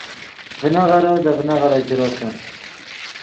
ڤینغیرو دے ڤینغیرو چے روسے